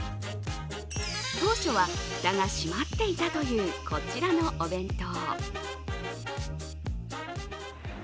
当初はフタが閉まっていたというこちらのお弁当。